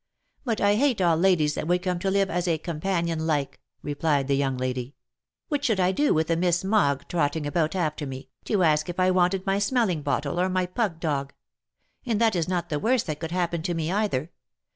" But I hate all ladies that would come to live as a companion like" replied the young lady. "What should I do with a 'Miss Mogg, trotting about after me, to ask if I wanted my smelling bottle, or my pug dog? And that is not the worst that could happen to me either.